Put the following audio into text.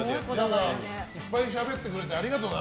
いっぱいしゃべってくれてありがとうな。